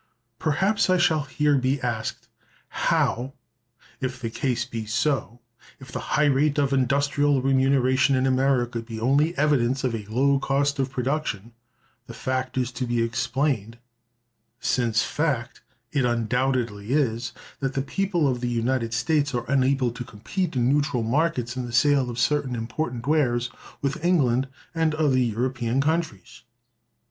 "Perhaps I shall here be asked, How, if the case be so—if the high rate of industrial remuneration in America be only evidence of a low cost of production—the fact is to be explained, since fact it undoubtedly is, that the people of the United States are unable to compete in neutral markets, in the sale of certain important wares, with England and other European countries?